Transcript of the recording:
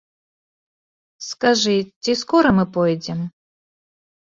Скажы, ці скора мы пойдзем?